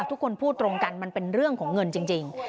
ทุกคนพูดตรงกันมันเป็นเรื่องของเงินจริง